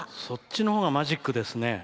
そっちのほうがマジックですね。